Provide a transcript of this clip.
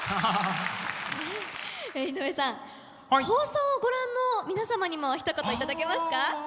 放送をご覧の皆様にもひと言頂けますか？